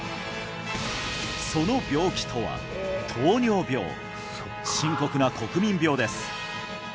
その病気とは糖尿病深刻な国民病です